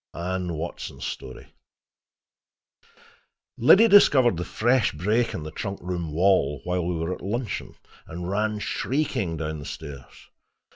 ANNE WATSON'S STORY Liddy discovered the fresh break in the trunk room wall while we were at luncheon, and ran shrieking down the stairs.